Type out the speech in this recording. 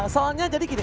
soalnya jadi gini